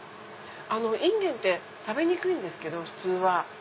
インゲンって食べにくいんですけど普通は。